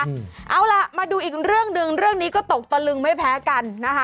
เอาล่ะมาดูอีกเรื่องหนึ่งเรื่องนี้ก็ตกตะลึงไม่แพ้กันนะคะ